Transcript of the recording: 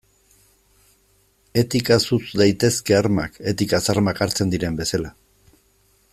Etikaz utz daitezke armak, etikaz armak hartzen diren bezala.